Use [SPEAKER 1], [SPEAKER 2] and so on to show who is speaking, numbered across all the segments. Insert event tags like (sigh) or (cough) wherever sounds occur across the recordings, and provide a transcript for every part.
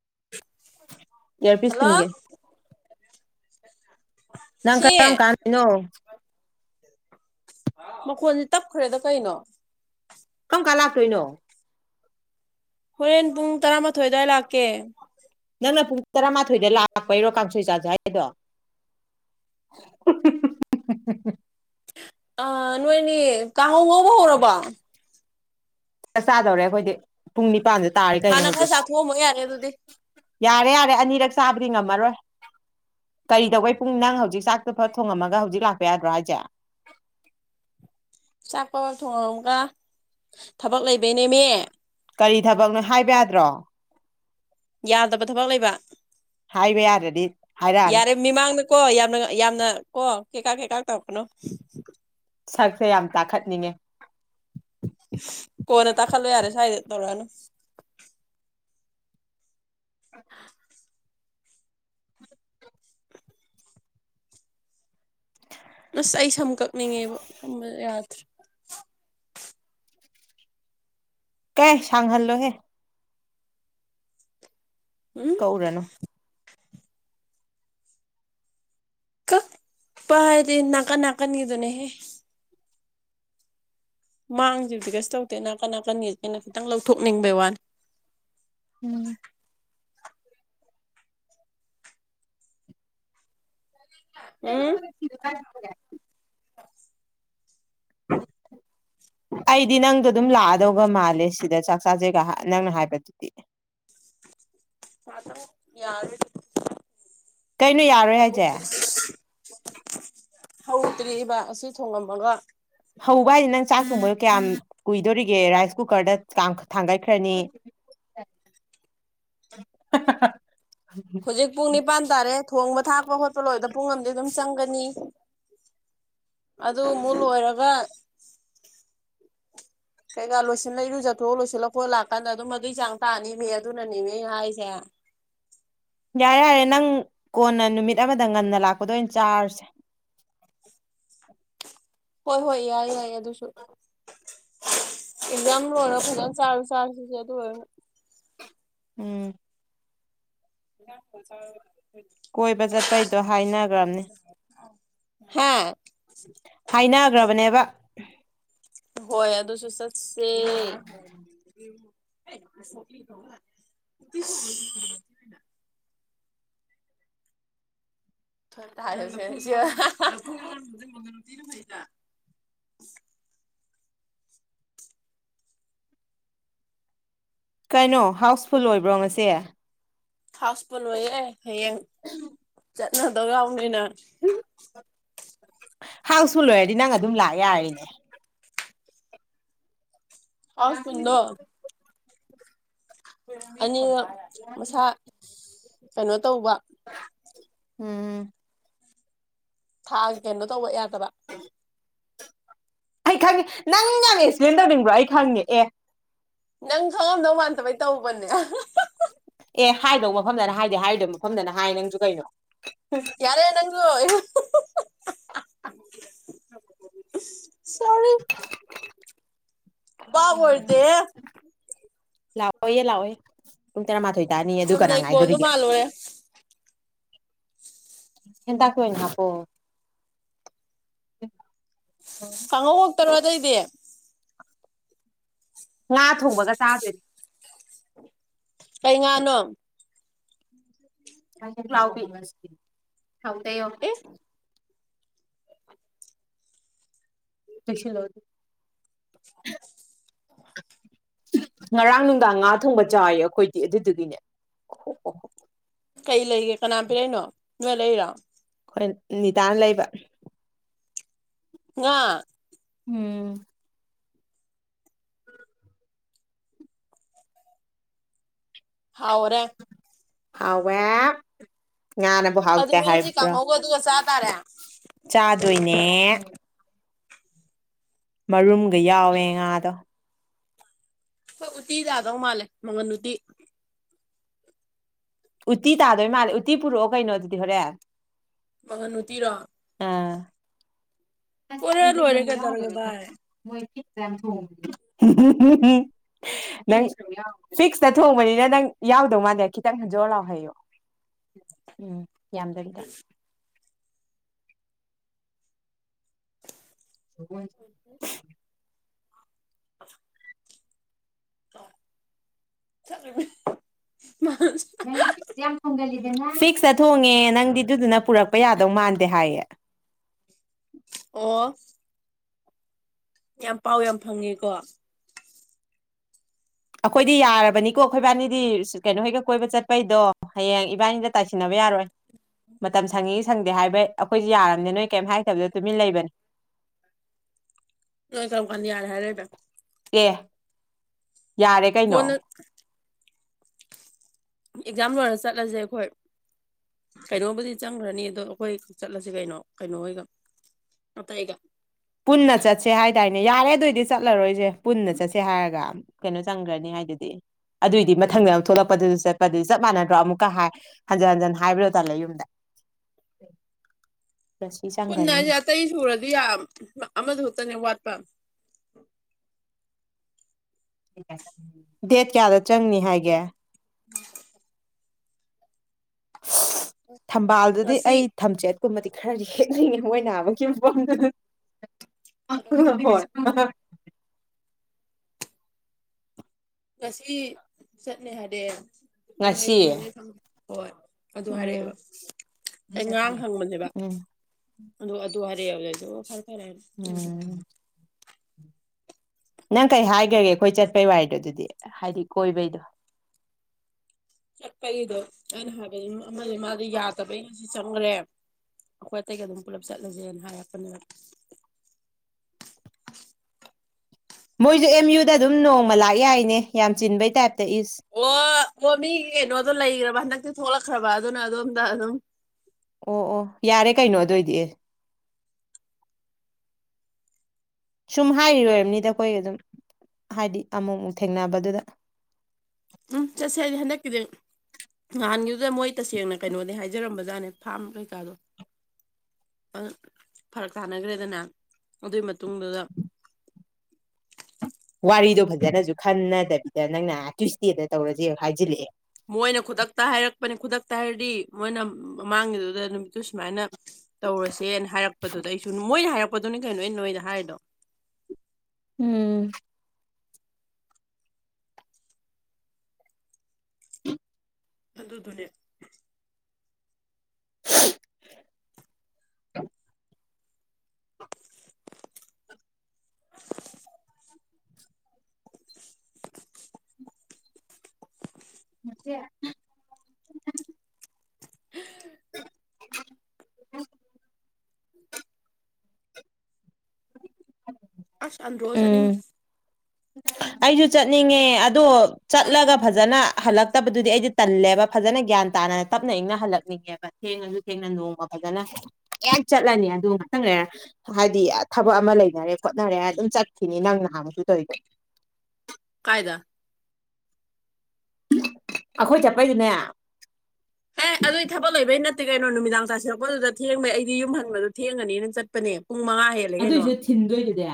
[SPEAKER 1] (inaudible)
[SPEAKER 2] earpiece ꯊꯤꯟꯒꯦ
[SPEAKER 1] hello (inaudible)
[SPEAKER 2] ꯅꯪ
[SPEAKER 1] ꯁꯤ
[SPEAKER 2] ꯀꯔꯝꯝ ꯀꯥꯟꯗꯅꯣ
[SPEAKER 1] ꯃꯈꯣꯟꯖꯦ ꯇꯞꯈ꯭ꯔꯦꯗ ꯀꯩꯅꯣ
[SPEAKER 2] ꯀꯝ ꯀꯥꯟ ꯂꯥꯛꯇꯣꯏꯅꯣ
[SPEAKER 1] ꯍꯣꯔꯦꯟ ꯄꯨꯡ ꯇꯔꯥꯃꯥꯊꯣꯏ ꯑꯗꯨꯋꯥꯏ ꯂꯥꯛꯀꯦ
[SPEAKER 2] ꯅꯪꯅ ꯄꯨꯡ ꯇꯔꯥꯃꯥꯊꯣꯏꯗ ꯂꯥꯛꯄꯩꯔꯣ ꯀꯥꯡꯁꯣꯏ ꯆꯥꯖꯦ ꯍꯥꯏꯗꯣ ꯍꯝꯍꯝꯍꯝ
[SPEAKER 1] ꯑ ꯅꯣꯏꯅꯤ ꯀꯥꯡꯍꯧ ꯉꯧꯕ ꯍꯧꯔꯕꯣ
[SPEAKER 2] ꯆꯥꯛ ꯆꯥꯗꯧꯔꯦ ꯑꯩꯈꯣꯏꯗꯤ ꯄꯨꯡ ꯅꯤꯄꯥꯟꯗ ꯇꯥꯔꯦ ꯀꯩꯅꯣ
[SPEAKER 1] ꯍꯥꯟꯅ ꯈꯔ
[SPEAKER 2] ꯍꯧꯖꯤꯛ
[SPEAKER 1] ꯆꯥꯊꯣꯛꯑꯝꯃꯣ ꯌꯥꯔꯦ ꯑꯗꯨꯗꯤ
[SPEAKER 2] ꯌꯥꯔꯦ ꯌꯥꯔꯦ ꯑꯅꯤꯔꯛ ꯆꯥꯕꯗꯤ ꯉꯝꯃꯔꯣꯏ ꯀꯔꯤ ꯇꯧꯕꯩ ꯄꯨꯡ ꯅꯪ ꯍꯧꯖꯤꯛ ꯆꯥꯛꯇꯣ ꯐꯠ ꯊꯣꯡꯉꯝꯃꯒ ꯍꯧꯖꯤꯛ ꯂꯥꯛꯄ ꯌꯥꯗ꯭ꯔꯣ ꯍꯥꯏꯁꯦ (inaudible)
[SPEAKER 1] ꯆꯥꯛ ꯄꯕꯞ ꯊꯣꯡꯉꯝꯃꯒ ꯊꯕꯛ ꯂꯩꯕꯩꯅꯦꯃꯤ
[SPEAKER 2] ꯀꯔꯤ ꯊꯕꯛꯅꯣ ꯍꯥꯏꯕ ꯌꯥꯗ꯭ꯔꯣ
[SPEAKER 1] ꯌꯥꯗꯕ ꯊꯕꯛ ꯂꯩꯕ
[SPEAKER 2] ꯍꯥꯏꯕ ꯌꯥꯗ꯭ꯔꯗꯤ ꯍꯥꯏꯔꯛꯑꯅꯨ
[SPEAKER 1] ꯌꯥꯔꯦ ꯃꯤꯃꯥꯡꯗꯀꯣ ꯌꯥꯝꯅ ꯌꯥꯝꯅ ꯀꯣ ꯀꯦꯀꯥ ꯀꯦꯀꯥ ꯇꯧꯀꯅꯣ
[SPEAKER 2] ꯁꯛꯁꯦ ꯌꯥꯝ ꯇꯥꯈꯠꯅꯤꯡꯉꯦ
[SPEAKER 1] ꯀꯣꯟꯅ ꯇꯥꯈꯠꯂꯣ ꯌꯥꯔꯦ ꯁꯥꯏꯗ ꯇꯧꯔꯛꯑꯅꯨ ꯑꯁ ꯑꯩ ꯁꯝ ꯀꯛꯅꯤꯡꯉꯦꯕꯣ ꯁꯝꯕ ꯌꯥꯗ꯭ꯔꯦ
[SPEAKER 2] ꯀ ꯁꯥꯡꯒꯜꯂꯣ ꯍꯦ
[SPEAKER 1] ꯎꯝ
[SPEAKER 2] ꯀꯛꯑꯨꯔꯅꯨ
[SPEAKER 1] ꯀꯛꯄ ꯍꯥꯏꯗꯤ ꯅꯀꯟ ꯅꯀꯟꯒꯤꯗꯨꯅꯦꯍꯦ ꯃꯥꯡꯁꯤꯕꯨꯗꯤ ꯀꯩꯁꯨ ꯇꯧꯗꯦ ꯅꯥꯀꯟ ꯅꯥꯀꯟꯒꯤ ꯑꯩꯅ ꯈꯤꯇꯪ ꯂꯧꯊꯣꯛꯅꯤꯡꯕꯩ ꯋꯥꯅꯤ
[SPEAKER 2] ꯎꯝ
[SPEAKER 1] ꯎꯝ
[SPEAKER 2] (unintelligible) (unintelligible) ꯑꯩꯗꯤ ꯅꯪꯗꯣ ꯑꯗꯨꯝ ꯂꯥꯛꯑꯗꯧꯒ ꯃꯥꯜꯂꯦ ꯁꯤꯗ ꯆꯥꯛ ꯆꯥꯖꯦꯒ ꯅꯪꯅ ꯍꯥꯏꯕꯗꯨꯗꯤ (inaudible)
[SPEAKER 1] ꯉꯥꯇꯪ ꯌꯥꯔꯂꯣꯏ
[SPEAKER 2] ꯀꯩꯅꯣ ꯌꯥꯔꯣꯏ ꯍꯥꯏꯖꯦ
[SPEAKER 1] ꯍꯧꯗ꯭ꯔꯤꯕ ꯑꯁꯤ ꯊꯣꯉꯝꯃꯒ
[SPEAKER 2] ꯍꯧꯕ ꯍꯥꯏꯖꯦ ꯅꯪ ꯆꯥꯛ ꯊꯣꯡꯕꯗꯣ ꯀꯌꯥꯝ ꯀꯨꯏꯗꯣꯔꯤꯒꯦ ꯔꯥꯏꯁ ꯀꯨꯀꯔꯗ ꯀꯥꯝ ꯊꯥꯡꯒꯠꯈ꯭ꯔꯅꯤ
[SPEAKER 1] ꯑꯗꯨ (inaudible)
[SPEAKER 2] (inaudible) ꯍꯥ ꯍꯥ ꯍꯥ
[SPEAKER 1] ꯍꯧꯖꯤꯛ ꯄꯨꯡ ꯅꯤꯄꯥꯟ ꯇꯥꯔꯦ ꯊꯣꯡꯕ ꯊꯥꯛꯄ ꯈꯣꯠꯄ ꯂꯣꯏꯕꯗ ꯄꯨꯡ ꯑꯃꯗꯤ ꯑꯗꯨꯝ ꯆꯪꯒꯅꯤ ꯑꯗꯨ ꯑꯃꯨꯛ ꯂꯣꯏꯔꯒ ꯀꯩꯀꯥ ꯂꯣꯏꯁꯤꯜꯂ ꯏꯔꯨꯖꯠꯊꯣꯛꯑ ꯂꯣꯏꯁꯤꯜꯂ ꯈꯣꯠꯂ ꯂꯥꯛꯀꯥꯟꯗ ꯑꯗꯨꯝ ꯑꯗꯨꯒꯤ ꯆꯥꯡ ꯇꯥꯅꯤꯃꯦ ꯑꯗꯨꯅꯅꯦꯃꯤ ꯑꯩ ꯍꯥꯏꯁꯦ
[SPEAKER 2] (inaudible) ꯌꯥꯔꯦ ꯌꯥꯔꯦ ꯅꯪ ꯀꯣꯟꯅ ꯅꯨꯃꯤꯠ ꯑꯃꯗ ꯉꯟꯅ ꯂꯥꯛꯄꯗ ꯑꯣꯏꯅ ꯆꯥꯔꯁꯦ
[SPEAKER 1] ꯍꯣꯏ ꯍꯣꯏ ꯌꯥꯏ ꯌꯥꯏ ꯑꯗꯨꯁꯨ ꯑꯦꯛꯖꯥꯝ ꯂꯣꯏꯔꯣ ꯐꯖꯅ ꯆꯥꯔꯖꯨ ꯆꯥꯔꯁꯤꯁꯦ ꯑꯗꯨ ꯑꯣꯏꯔꯅ
[SPEAKER 2] ꯎꯝ
[SPEAKER 1] ꯏ (inaudible)
[SPEAKER 2] ꯀꯣꯏꯕ ꯆꯠꯄꯩꯗꯣ ꯍꯥꯏꯅꯒ꯭ꯔꯝꯅꯦ
[SPEAKER 1] ꯍꯥꯥ
[SPEAKER 2] ꯍꯥꯏꯅꯒꯔꯕꯅꯦꯕ
[SPEAKER 1] ꯍꯣꯏ ꯑꯗꯨꯁꯨ ꯆꯠꯁꯦ (inaudible) ꯁꯤ (unintelligible)
[SPEAKER 2] (inaudible) ꯀꯩꯅꯣ ꯍꯥꯎꯁꯐꯨꯜ ꯑꯣꯏꯕ꯭ꯔꯣ ꯉꯁꯦ
[SPEAKER 1] ꯍꯥꯎꯁꯐꯨꯜ ꯑꯣꯏꯌꯦ ꯍꯌꯦꯡ ꯆꯠꯅꯗꯧ ꯌꯥꯎꯅꯤꯅ
[SPEAKER 2] ꯍꯥꯎꯁꯐꯨꯜ ꯑꯣꯏꯔꯗꯤ ꯅꯪ ꯑꯗꯨꯝ ꯂꯥꯛ ꯌꯥꯔꯤꯅꯦ ꯑ
[SPEAKER 1] ꯍꯥꯎꯁ
[SPEAKER 2] (unintelligible)
[SPEAKER 1] ꯑꯅꯤꯗꯣ ꯃꯁꯥ ꯀꯩꯅꯣ ꯇꯧꯕ
[SPEAKER 2] ꯎꯝ
[SPEAKER 1] ꯊꯥꯎ ꯀꯩꯅꯣ ꯇꯧꯕ ꯌꯥꯗꯕ
[SPEAKER 2] ꯑꯩ ꯈꯪꯉꯦ ꯅꯪ ꯌꯥꯝ ꯑꯦꯛꯁꯄ꯭ꯂꯦꯟ ꯇꯧꯅꯤꯡꯕ꯭ꯔꯣ ꯑꯩ ꯈꯪꯉꯦ ꯑꯦ
[SPEAKER 1] ꯅꯪ ꯈꯪꯉꯝꯗꯧ ꯃꯥꯟꯗꯕꯩ ꯇꯧꯕꯅꯦ ꯑꯍꯥꯥ ꯍꯥꯍꯥꯍꯥ
[SPEAKER 2] ꯑꯦ ꯍꯥꯏꯗꯧ ꯃꯐꯝꯗꯅ ꯍꯥꯏꯗꯦ ꯍꯥꯏꯔꯣꯏꯗꯣꯏ ꯃꯐꯝꯗꯅ ꯍꯥꯏ ꯅꯪꯁꯨ ꯀꯩꯅꯣ
[SPEAKER 1] ꯌꯥꯔꯦ ꯅꯪꯖꯨ ꯍ ꯍ ꯍ ꯁꯣꯔꯤ ꯕꯥꯕ ꯑꯣꯏꯔꯨꯗꯦꯍꯦ
[SPEAKER 2] ꯂꯥꯛꯑꯣꯌꯦ ꯂꯥꯛꯑꯣ ꯄꯨꯡ ꯇꯔꯥꯃꯥꯊꯣꯏ ꯇꯥꯅꯤ ꯑꯗꯨ ꯀꯅꯥ
[SPEAKER 1] ꯆꯨꯝꯅꯩ ꯀꯣꯜꯗꯣ
[SPEAKER 2] ꯉꯥꯏꯗꯣꯔꯤꯒꯦ
[SPEAKER 1] ꯃꯥꯜꯂꯨꯔꯦ
[SPEAKER 2] ꯍꯦꯟꯇꯥꯛꯇꯣ ꯑꯣꯏꯅ ꯍꯥꯞꯄꯣ
[SPEAKER 1] ꯀꯥꯡꯍꯧ ꯈꯛꯇꯔꯣ ꯑꯇꯩꯗꯤ
[SPEAKER 2] ꯉꯥ ꯊꯣꯡꯕꯒ ꯆꯥꯗꯣꯏꯅꯦ
[SPEAKER 1] ꯀꯩ ꯉꯥꯅꯣ
[SPEAKER 2] ꯄꯣꯛꯂꯥꯎꯕꯤ ꯊꯥꯎꯗꯩ ꯌꯣ
[SPEAKER 1] ꯑꯦ
[SPEAKER 2] ꯇꯩꯁꯤꯜꯂꯣ ꯗꯨꯝ
[SPEAKER 1] (inaudible)
[SPEAKER 2] (inaudible) ꯉꯔꯥꯡ ꯅꯨꯡꯗꯥꯡ ꯉꯥ ꯊꯣꯡꯕ ꯆꯥꯏꯌꯦ ꯑꯩꯈꯣꯏꯗꯤ ꯑꯗꯨꯗꯨꯒꯤꯅꯦ ꯑꯣꯍꯣ ꯑꯣꯍꯣ
[SPEAKER 1] ꯀꯩ ꯂꯩꯒꯦ ꯀꯅꯥ ꯄꯤꯔꯛꯏꯅꯣ ꯅꯣꯏ ꯂꯩꯔꯣ
[SPEAKER 2] ꯑꯩꯈꯣꯏ ꯅꯤꯇꯥꯅꯥ ꯂꯩꯕ
[SPEAKER 1] ꯉꯥ
[SPEAKER 2] ꯎꯝ (inaudible)
[SPEAKER 1] ꯍꯥꯎꯔꯦ
[SPEAKER 2] ꯍꯥꯎꯋꯦ ꯉꯥꯅꯕꯨ
[SPEAKER 1] ꯑꯗꯨ
[SPEAKER 2] ꯍꯥꯎꯇꯦ
[SPEAKER 1] ꯅꯣꯏ ꯉꯁꯤ
[SPEAKER 2] ꯍꯥꯏꯕ꯭ꯔꯣ
[SPEAKER 1] ꯀꯥꯡꯍꯧꯒ ꯑꯗꯨꯒ ꯆꯥ ꯇꯥꯔꯦ
[SPEAKER 2] ꯆꯥꯗꯣꯏꯅꯦ ꯃꯔꯨꯝꯒ ꯌꯥꯎꯋꯦ ꯉꯥꯗꯣ
[SPEAKER 1] ꯈꯣꯏ ꯎꯇꯤ ꯇꯥꯗꯧ ꯃꯥꯜꯂꯦ ꯃꯪꯒꯟ ꯎꯇꯤ
[SPEAKER 2] ꯎꯠꯇꯤ ꯇꯥꯗꯣꯏ ꯃꯥꯜꯂꯦ ꯎꯠꯇꯤ ꯄꯨꯔꯛꯑꯣ ꯀꯩꯅꯣ ꯑꯗꯨꯗꯤ ꯍꯣꯔꯦꯟ
[SPEAKER 1] ꯃꯒꯟ ꯎꯇꯤꯔꯣ
[SPEAKER 2] ꯑꯥ ꯑꯁ
[SPEAKER 1] ꯄꯨꯔ ꯂꯣꯏꯔꯦ
[SPEAKER 2] ꯍꯦꯟꯖꯟꯅꯕꯨ
[SPEAKER 1] ꯀꯩꯗꯧꯔꯒꯦ
[SPEAKER 2] ꯌꯥꯎꯔꯔꯣꯏꯗ
[SPEAKER 1] ꯚꯥꯏ
[SPEAKER 2] ꯃꯣꯏ ꯂꯤꯛꯅ ꯊꯣꯡꯕꯅꯤ ꯅꯪ ꯐꯤꯛꯁꯇ ꯊꯣꯡꯕꯅꯤꯅ ꯅꯪ ꯌꯥꯎꯗꯧ ꯃꯥꯟꯗꯦ ꯈꯤꯇꯪ ꯖꯣꯔ ꯂꯥꯎ ꯍꯩꯌꯣ ꯎꯝ ꯌꯥꯝꯗꯕꯤꯗ ꯎꯝ
[SPEAKER 1] (unintelligible) (unintelligible)
[SPEAKER 2] ꯅꯪꯗꯤ ꯐꯤꯛꯁꯇ ꯌꯥꯝ ꯊꯣꯡꯒꯜꯂꯤ ꯐꯤꯛꯁꯇ ꯊꯣꯡꯉꯦ ꯅꯪꯗꯤ ꯑꯗꯨꯗꯨꯅ ꯄꯨꯔꯛꯄ ꯌꯥꯗꯧ ꯃꯥꯟꯗꯦ ꯍꯥꯏꯌꯦ
[SPEAKER 1] ꯑꯣ ꯌꯥꯝ ꯄꯥꯎ ꯌꯥꯝ ꯐꯪꯉꯦꯀꯣ
[SPEAKER 2] ꯑꯩꯈꯣꯏꯗꯤ ꯌꯥꯔꯕꯅꯤꯀꯣ ꯑꯩꯈꯣꯏ ꯏꯕꯥꯅꯤꯗꯤ ꯀꯩꯅꯣ ꯍꯣꯏꯒ ꯀꯣꯏꯕ ꯆꯠꯄꯩꯗꯣ ꯍꯌꯦꯡ ꯏꯕꯥꯅꯤꯗ ꯇꯥꯏꯁꯤꯟꯅꯕ ꯌꯥꯔꯣꯏ ꯃꯇꯝ ꯁꯪꯉꯦ ꯁꯪꯗꯦ ꯍꯥꯏꯕ ꯑꯩꯈꯣꯏꯗꯤ ꯌꯥꯔꯝꯅꯤ ꯅꯣꯏ ꯀꯩꯝ ꯍꯥꯏꯔꯛꯇꯕꯗꯨꯗ ꯇꯨꯃꯤꯟ ꯂꯩꯕꯅꯦ
[SPEAKER 1] ꯅꯣꯏ ꯀꯔꯝ ꯀꯥꯟ ꯌꯥꯔꯦ ꯍꯥꯏꯔꯛꯏꯕ
[SPEAKER 2] ꯑꯦ ꯌꯥꯔꯦ ꯀꯩꯅꯣ
[SPEAKER 1] ꯀꯣꯟꯅ ꯑꯦꯛꯖꯥꯝ ꯂꯣꯏꯔ ꯆꯠꯂꯁꯦ ꯑꯩꯈꯣꯏ ꯀꯩꯅꯣꯕꯨꯗꯤ ꯆꯪꯒ꯭ꯔꯅꯤ ꯑꯗꯣ ꯑꯩꯈꯣꯏ ꯆꯠꯂꯁꯤ ꯀꯩꯅꯣ ꯀꯩꯅꯣ ꯍꯣꯏꯒ ꯃꯠꯇꯩꯒ
[SPEAKER 2] ꯄꯨꯟꯅ ꯆꯠꯁꯦ ꯍꯥꯏꯗꯥꯏꯅꯦ ꯌꯥꯔꯦ ꯑꯗꯨꯑꯣꯏꯗꯤ ꯆꯠꯂꯔꯣꯏꯁꯦ ꯄꯨꯟꯅ ꯆꯠꯁꯦ ꯍꯥꯏꯔꯒ ꯀꯩꯅꯣ ꯆꯪꯒ꯭ꯔꯅꯤ ꯍꯥꯏ ꯍꯥꯏꯗꯨꯗꯤ ꯑꯗꯨꯑꯣꯏꯗꯤ ꯃꯊꯪꯗ ꯑꯃꯨꯛ ꯊꯣꯛꯂꯛꯄꯗꯖꯨ ꯆꯠꯄꯗꯤ ꯆꯞ ꯃꯥꯟꯅꯗ꯭ꯔꯣ ꯑꯃꯨꯛꯀ ꯍꯥꯏ ꯍꯟꯖꯟ ꯍꯟꯖꯟ ꯍꯥꯏꯕꯗꯣ ꯇꯜꯂꯦ ꯌꯨꯝꯗ (inaudible)
[SPEAKER 1] ꯄꯨꯟꯅ ꯍꯥꯏꯖꯦ
[SPEAKER 2] ꯆꯪꯒꯅꯤ
[SPEAKER 1] ꯑꯇꯩ ꯁꯨꯔꯗꯤ ꯌꯥꯝ ꯑꯃꯗꯨ ꯈꯛꯇꯅꯦ ꯋꯥꯠꯄ
[SPEAKER 2] ꯗꯦꯠ ꯀꯌꯥꯗ ꯆꯪꯅꯤ ꯍꯥꯏꯒꯦ
[SPEAKER 1] (unintelligible)
[SPEAKER 2] ꯊꯝꯕꯥꯜꯗꯗꯤ
[SPEAKER 1] ꯉꯁꯤ
[SPEAKER 2] ꯑꯩ ꯊꯝꯆꯦꯠ ꯀꯨꯝꯃꯗꯤ ꯈꯔꯗꯤ ꯍꯦꯅꯤꯡꯉꯦ ꯃꯣꯏ ꯅꯍꯥꯟꯃꯛꯀꯤ ꯃꯐꯝꯗꯨꯗꯤ ꯍꯣꯏ
[SPEAKER 1] ꯉꯁꯤ ꯆꯠꯅꯦ ꯍꯥꯏꯔꯛꯑꯦ ꯑꯃ ꯑꯩꯌꯨ
[SPEAKER 2] ꯉꯁꯤ
[SPEAKER 1] ꯍꯣꯏ ꯑꯗꯨ ꯍꯥꯏꯔꯛꯑꯦꯕ
[SPEAKER 2] ꯎꯝ
[SPEAKER 1] ꯑꯩ ꯉꯔꯥꯡ ꯍꯪꯕꯅꯦꯕ
[SPEAKER 2] ꯎꯝ
[SPEAKER 1] ꯑꯗꯨ ꯑꯗꯨ ꯍꯔꯦ ꯑꯗꯨ ꯑꯩꯁꯨ ꯑꯣ ꯐꯔꯦ ꯐꯔꯦꯅ ꯑꯩꯁꯨ
[SPEAKER 2] ꯎꯝ ꯅꯪ ꯀꯩ ꯍꯥꯏꯒꯔꯒꯦ ꯑꯩꯈꯣꯏ ꯆꯠꯄꯩ ꯋꯥꯔꯤꯗꯣ ꯑꯗꯨꯗꯤ ꯍꯥꯏꯗꯤ ꯀꯣꯏꯕꯩꯗꯣ
[SPEAKER 1] ꯆꯠꯄꯒꯤꯗꯣ ꯑꯩꯅ ꯍꯥꯏꯕꯗꯤ ꯃꯥꯗꯤ ꯌꯥꯗꯕꯩ ꯉꯁꯤ ꯆꯪꯒꯔꯦ ꯑꯩꯈꯣꯏ ꯑꯇꯩꯒ ꯑꯗꯨꯝ ꯄꯨꯜꯂꯞ ꯆꯠꯂꯁꯦꯅ ꯍꯥꯏꯔꯛꯄꯅꯦꯕ
[SPEAKER 2] (inaudible) ꯃꯣꯏꯖꯨ ꯑꯦꯝ ꯌꯨꯗ ꯑꯗꯨꯝ ꯅꯣꯡꯃ ꯂꯥꯛ ꯌꯥꯏꯅꯦ ꯌꯥꯝ ꯆꯤꯟꯕꯩ ꯇꯥꯏꯞ
[SPEAKER 1] ꯑꯣ ꯑꯣ ꯃꯤ ꯀꯩꯅꯣꯗꯣ ꯂꯩꯒꯔꯕ ꯍꯟꯗꯛꯇꯤ ꯊꯣꯛꯂꯛꯈ꯭ꯔꯕ ꯑꯗꯨꯅ ꯑꯗꯣꯝꯗ ꯑꯗꯨꯝ
[SPEAKER 2] ꯑꯣ ꯑꯣ ꯌꯥꯔꯦ ꯀꯩꯅꯣ ꯑꯗꯨꯏꯗꯤ ꯁꯨꯝ ꯍꯥꯏꯔꯤ ꯑꯣꯏꯔꯝꯅꯤꯗ ꯑꯩꯈꯣꯏ ꯑꯗꯨꯝ ꯍꯥꯏꯗꯤ ꯑꯃꯨꯛ ꯑꯃꯨꯛ ꯊꯦꯡꯅꯕꯗꯨꯗ
[SPEAKER 1] ꯎꯝ ꯆꯠꯁꯦ ꯍꯥꯏꯗꯤ ꯍꯟꯗꯛꯀꯤꯗꯤ ꯅꯍꯥꯟꯒꯤꯗꯨꯗ ꯃꯣꯏ ꯇꯁꯦꯡꯅ ꯀꯩꯅꯣꯅꯦ ꯍꯥꯏꯖꯔꯝꯕꯖꯥꯠꯅꯦ ꯐꯥꯔꯝ ꯀꯩꯀꯥꯗꯣ ꯐꯔꯛ ꯇꯥꯅꯒ꯬ꯔꯦꯗꯅ ꯑꯗꯨꯏ ꯃꯇꯨꯡꯗꯨꯗ
[SPEAKER 2] ꯋꯥ ꯋꯥꯔꯤꯗꯣ ꯐꯖꯅꯖꯨ ꯈꯟꯅꯗꯕꯤꯗ ꯅꯪꯅ ꯇ꯭ꯌꯨꯁꯗꯦꯗ ꯇꯧꯔꯖꯦ ꯍꯥꯏꯖꯤꯜꯂꯛꯑꯦ
[SPEAKER 1] ꯃꯣꯏꯅ ꯈꯨꯗꯛꯇ ꯍꯥꯏꯔꯛꯄꯅꯦ ꯈꯨꯗꯛꯇ ꯍꯥꯏꯔꯗꯤ ꯃꯣꯏꯅ ꯃꯃꯥꯡꯒꯤꯗꯨꯗ ꯅꯨꯃꯤꯠꯇꯨ ꯁꯨꯃꯥꯏꯅ ꯇꯧꯔꯁꯦ ꯍꯥꯏꯔꯛꯄꯗꯨꯗ ꯑꯩꯖꯨ ꯃꯣꯏꯅ ꯍꯥꯏꯔꯛꯄꯗꯨꯅꯤ ꯀꯩꯅꯣ ꯅꯣꯏꯗ ꯍꯥꯏꯔꯤꯗꯣ
[SPEAKER 2] ꯎꯝ
[SPEAKER 1] ꯑꯗꯨꯗꯨꯅꯦ
[SPEAKER 2] (unintelligible)
[SPEAKER 1] (inaudible)
[SPEAKER 2] (unintelligible) (unintelligible)
[SPEAKER 1] ꯑꯁ ꯑꯟꯗꯔꯣ ꯆꯠꯅꯤꯡꯉꯤ
[SPEAKER 2] (unintelligible) ꯑꯩꯖꯨ ꯆꯠꯅꯤꯡꯉꯦ ꯑꯗꯣ ꯆꯠꯂꯒ ꯐꯖꯅ ꯍꯜꯂꯛꯇꯕꯗꯨꯗꯤ ꯑꯩꯗꯤ ꯇꯜꯂꯦꯕ ꯐꯖꯅ ꯒ꯭ꯌꯥꯟ ꯇꯅ ꯇꯞꯅ ꯏꯪꯅ ꯍꯜꯂꯛꯅꯤꯡꯉꯦꯕ ꯊꯦꯡꯉꯁꯨ ꯊꯦꯡꯅ ꯅꯣꯡꯃ ꯐꯖꯅ ꯍꯦꯛ ꯆꯠꯂꯅꯤ ꯑꯗꯨ ꯉꯇꯪ ꯍꯥꯏꯗꯤ ꯊꯕꯛ ꯑꯃ ꯂꯩꯅꯔꯦ ꯈꯣꯠꯅꯔꯦ ꯑꯗꯨꯝ ꯆꯠꯈꯤꯅꯤ ꯅꯪ ꯅꯍꯥꯟꯃꯨꯛꯁꯨ ꯇꯧꯔꯤꯗꯣ
[SPEAKER 1] ꯀꯥꯏꯗ
[SPEAKER 2] ꯑꯩꯈꯣꯏ ꯆꯠꯄꯩꯗꯨꯅꯦ
[SPEAKER 1] ꯑꯗꯨꯗꯤ ꯊꯕꯛ ꯂꯩꯕꯩ ꯅꯠꯇꯦ ꯀꯩꯅꯣ ꯅꯨꯃꯤꯗꯥꯡ ꯇꯁꯤꯜꯂꯛꯄꯗꯨꯗ ꯊꯦꯡꯕꯩ ꯑꯩꯗꯤ ꯌꯨꯝ ꯍꯟꯕꯗꯣ ꯊꯦꯡꯉꯅꯤꯅ ꯆꯠꯄꯅꯦ ꯄꯨꯡ ꯃꯉꯥ ꯍꯦꯜꯂꯦ ꯀꯩꯅꯣ
[SPEAKER 2] ꯑꯗꯨꯏꯁꯨ ꯊꯤꯟꯗꯣꯏꯗꯨꯗꯤ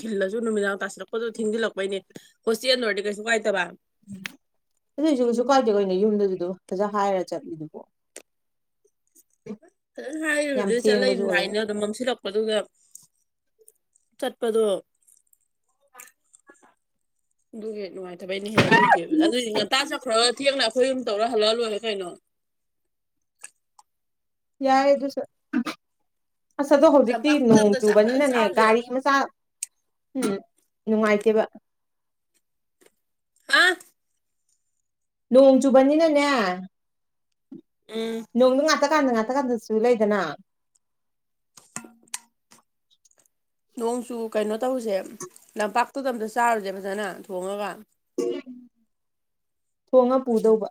[SPEAKER 1] ꯊꯤꯜꯂꯖꯨ ꯅꯨꯃꯤꯗꯥꯡ ꯇꯥꯁꯤꯜꯂꯛꯄꯗꯨ ꯊꯦꯡꯖꯤꯜꯂꯛꯄꯩꯅꯦ ꯍꯣꯁꯇꯦꯜ ꯑꯣꯏꯔꯗꯤ ꯀꯩꯁꯨ ꯀꯥꯏꯗꯕ
[SPEAKER 2] ꯎꯝ ꯑꯗꯨꯏꯖꯨ ꯀꯩꯁꯨ ꯀꯥꯏꯗꯦ ꯀꯩꯅꯣ ꯌꯨꯝꯗꯖꯨ ꯐꯖꯅ ꯍꯥꯏꯔ ꯆꯠꯂꯤꯗꯨꯕꯣ
[SPEAKER 1] ꯐꯖꯅ
[SPEAKER 2] ꯌꯥꯝ
[SPEAKER 1] ꯍꯥꯏꯔꯒ ꯆꯠꯂꯛꯏ
[SPEAKER 2] ꯊꯦꯡꯕꯁꯨ ꯑꯣꯏꯔꯣꯏ
[SPEAKER 1] ꯂꯥꯛꯏꯅ ꯑꯗꯨꯝ ꯃꯝꯁꯤꯜꯂꯛꯄꯗꯨꯗ ꯆꯠꯄꯗꯣ ꯑꯗꯨꯒꯤ ꯅꯨꯡꯉꯥꯏ ꯕꯩꯅꯦꯍꯦ ꯑꯗꯨꯏꯗꯤ ꯉꯟꯇꯥ ꯆꯠꯈ꯭ꯔꯥꯒ ꯊꯦꯡꯅ ꯑꯩꯈꯣꯏ ꯑꯍꯨꯝ ꯇꯧꯔ ꯍꯜꯂꯛꯑ ꯂꯣꯏꯔꯦ ꯀꯩꯅꯣ
[SPEAKER 2] ꯌꯥꯏ ꯑꯗꯨ ꯁꯨ ꯑꯁ ꯑꯗꯣ ꯍꯧꯖꯤꯛꯇꯤ
[SPEAKER 1] ꯂꯝꯄꯥꯛꯇꯨꯗ
[SPEAKER 2] ꯅꯣꯡ
[SPEAKER 1] ꯑꯝꯇ ꯆꯥꯛ ꯐꯖꯅ
[SPEAKER 2] ꯆꯨꯕꯅꯤꯅꯅꯦ
[SPEAKER 1] ꯆꯥꯔꯨꯁꯦ
[SPEAKER 2] ꯒꯥꯔꯤ ꯃꯆꯥ ꯎꯝ ꯅꯨꯡꯉꯥꯏꯇꯦꯕ
[SPEAKER 1] ꯑꯥ
[SPEAKER 2] ꯅꯣꯡ ꯆꯨꯕꯅꯤꯅꯅꯦ
[SPEAKER 1] ꯎꯝ
[SPEAKER 2] ꯅꯣꯡꯗ ꯉꯥꯛꯇꯀꯥꯟꯗ ꯉꯥꯛꯇ (unintelligible) ꯂꯩꯗꯅ
[SPEAKER 1] ꯅꯣꯡꯆꯨ ꯀꯩꯅꯣ ꯇꯧꯖꯦ ꯂꯝꯄꯥꯛꯇꯨꯗ ꯑꯝꯇ ꯆꯥꯔꯨꯖꯦ ꯐꯖꯅ ꯊꯣꯡꯉꯒ
[SPEAKER 2] ꯊꯣꯡꯉ ꯄꯨꯗꯧꯕ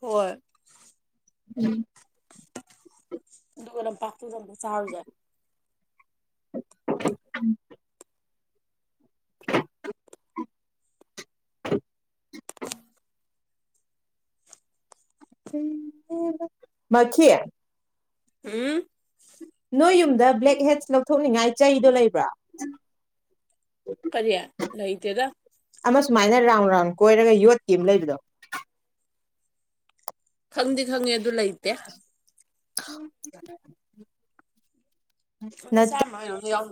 [SPEAKER 1] ꯍꯣꯏ
[SPEAKER 2] ꯎꯝ
[SPEAKER 1] ꯑꯗꯨꯒ ꯂꯝꯄꯥꯛꯗꯨꯗ ꯑꯝꯇ ꯆꯥꯔꯨꯖꯦ
[SPEAKER 2] (unintelligible) (unintelligible)
[SPEAKER 1] ꯍꯨꯝ
[SPEAKER 2] ꯅꯣꯏ ꯌꯨꯝꯗ ꯕ꯭ꯂꯦꯛꯍꯦꯠꯁ ꯂꯧꯊꯣꯛꯅꯤꯡꯉꯥꯏ ꯆꯩꯗꯣ ꯂꯩꯕ꯭ꯔꯣ
[SPEAKER 1] ꯀꯔꯤ ꯂꯩꯇꯦꯗ
[SPEAKER 2] ꯑꯃ ꯁꯨꯃꯥꯏꯅ ꯔꯥꯎꯟ ꯔꯥꯎꯟ ꯀꯣꯏꯔꯒ ꯌꯣꯠꯀꯤ ꯑꯃ ꯂꯩꯕꯗꯣ
[SPEAKER 1] ꯈꯪꯗꯤ ꯈꯪꯉꯦ ꯑꯗꯨ ꯂꯩꯇꯦ
[SPEAKER 2] ꯈꯪ
[SPEAKER 1] ꯂꯨꯄꯥ ꯆꯥꯝ ꯀꯩꯔꯣꯝꯗꯤ ꯌꯥꯎ